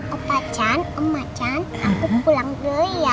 opacan omacan aku pulang dulu ya